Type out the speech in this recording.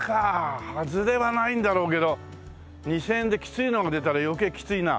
ハズレはないんだろうけど２０００円できついのが出たら余計きついな。